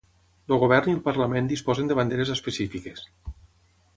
El govern i el Parlament disposen de banderes específiques.